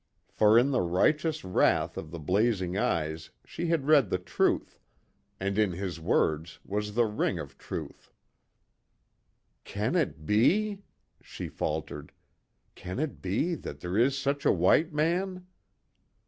For in the righteous wrath of the blazing eyes she had read the truth and in his words was the ring of truth. "Can it be?" she faltered, "Can it be that there is such a white man?"